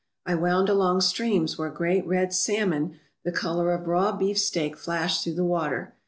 I wound along streams where great red salmon the colour of raw beefsteak flashed through the water.